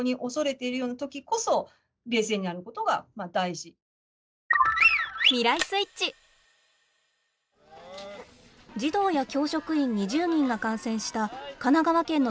児童や教職員２０人が感染した神奈川県の小学校です。